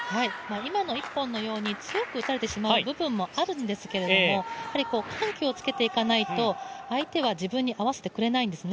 今の１本のように強く打たれてしまう部分もあるんですけれども緩急をつけていかないと、相手は自分に合わせてくれないんです。